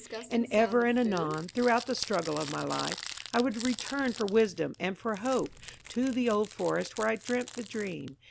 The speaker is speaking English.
And ever and anon, throughout the struggle of my life, I would return for wisdom and for hope to the old forest where I dreamt the dream.